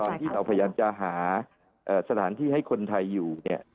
ที่เราพยายามจะหาสถานที่ให้คนไทยอยู่เนี่ย